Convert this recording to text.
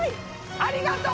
ありがとう！